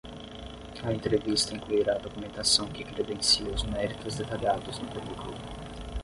A entrevista incluirá a documentação que credencia os méritos detalhados no currículo.